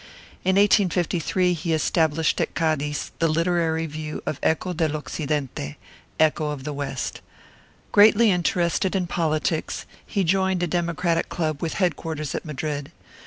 In 1853 he established at Cadiz the literary review Eco del Occidente (Echo of the West). Greatly interested in politics, he joined a democratic club with headquarters at Madrid.